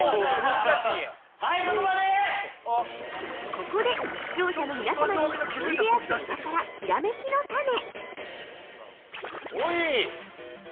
◆ここで視聴者の皆様に、おいでやす小田からひらめきのタネ！